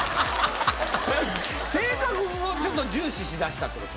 性格を重視しだしたってこと？